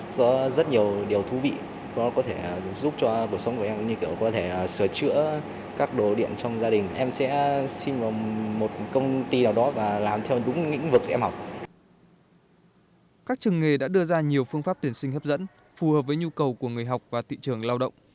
các trường nghề đã đưa ra nhiều phương pháp tuyển sinh hấp dẫn phù hợp với nhu cầu của người học và thị trường lao động